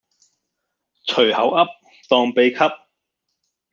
隨口噏當秘笈